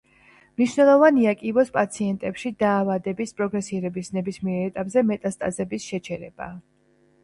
მნიშვნელოვანია, კიბოს პაციენტებში დაავადების პროგრესირების ნებისმიერ ეტაპზე მეტასტაზების შეჩერება.